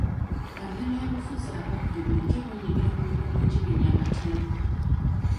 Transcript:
Bannabyabufuzi ababi bulijjo beenyigira mu mirimu egimenya amateeka.